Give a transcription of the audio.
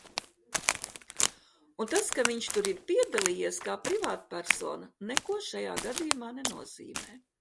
Un tas, ka viņš tur ir piedalījies kā privātpersona, neko šajā gadījumā nenozīmē.